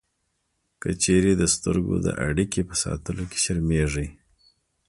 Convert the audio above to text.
که چېرې د سترګو د اړیکې په ساتلو کې شرمېږئ